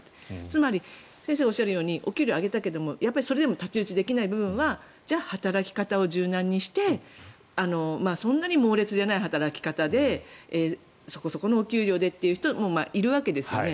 つまり、先生がおっしゃるようにお給料を上げたけどもそれでも太刀打ちできない部分はじゃあ、働き方を柔軟にしてそんなにモーレツじゃない働き方でそこそこのお給料でという人もいるわけですよね。